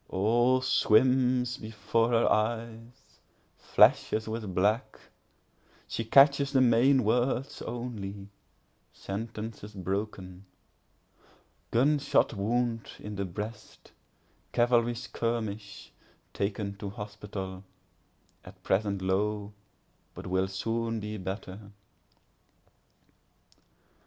All swims before her eyes—flashes with black—she catches the main words only; Sentences broken—gun shot wound in the breast, cavalry skirmish, taken to hospital, At present low, but will soon be better.